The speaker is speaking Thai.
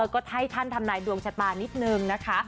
ก็ให้ท่านทำนายดวงชะตานิดนึงนะคะ